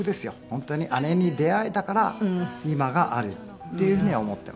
本当にあれに出合えたから今があるっていうふうには思っています。